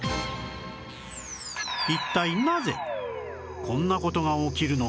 一体なぜこんな事が起きるのか？